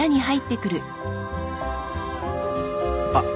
あっ。